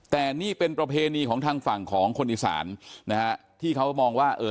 แต่นี่เป็นประเพณีของทางฝั่งของคนอีสานนะฮะที่เขามองว่าเอ่อ